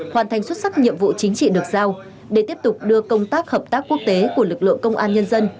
hoàn thành xuất sắc nhiệm vụ chính trị được giao để tiếp tục đưa công tác hợp tác quốc tế của lực lượng công an nhân dân